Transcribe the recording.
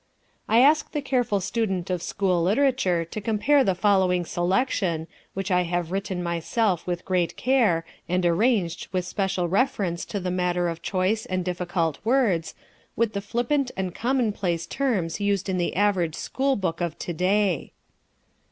I ask the careful student of school literature to compare the following selection, which I have written myself with great care, and arranged with special reference to the matter of choice and difficult words, with the flippant and commonplace terms used in the average school book of to day.